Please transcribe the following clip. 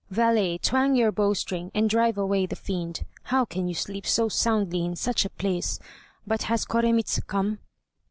Valet, twang your bow string, and drive away the fiend. How can you sleep so soundly in such a place? But has Koremitz come?"